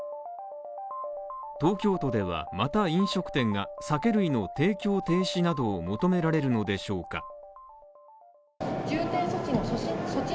東京都では、また飲食店が酒類の提供停止などを求められるのでしょうか？